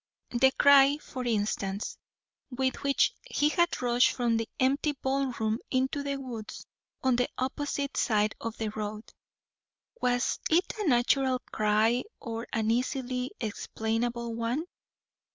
The cry, for instance, with which he had rushed from the empty ballroom into the woods on the opposite side of the road! Was it a natural cry or an easily explainable one?